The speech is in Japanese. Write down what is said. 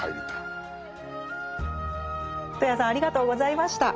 戸谷さんありがとうございました。